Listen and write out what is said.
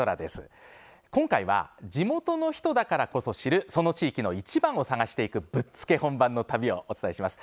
今回は地元の人だからこそ知るその地域のイチバンを探していくぶっつけ本番の旅をお伝えします。